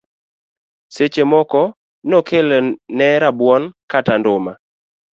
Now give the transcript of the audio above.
Seche moko nokele ne rabuon kata nduma.